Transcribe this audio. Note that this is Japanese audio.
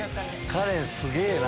カレンすげぇな！